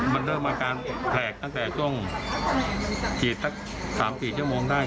มันเริ่มอาการแผลกตั้งแต่ช่วงฉีดสัก๓๔ชั่วโมงได้